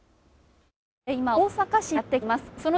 今大阪市にやってきています。